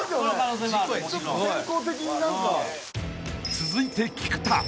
［続いて菊田］